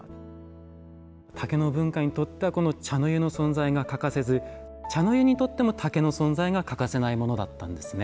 竹の文化にとっては茶の湯の存在が欠かせず茶の湯にとっても竹の存在が欠かせないものだったんですね。